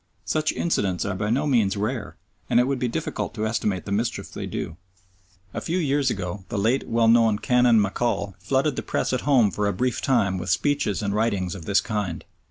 Such incidents are by no means rare, and it would be difficult to estimate the mischief they do. A few years ago the late well known Canon MacColl flooded the Press at home for a brief time with speeches and writings of this kind.